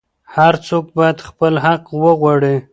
هر څوک باید خپل حق وغواړي.